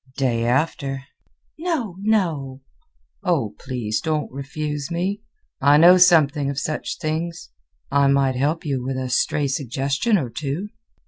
"Day after?" "No, no." "Oh, please don't refuse me! I know something of such things. I might help you with a stray suggestion or two."